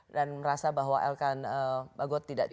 dan merasa bahwa elkan bagot tidak cukup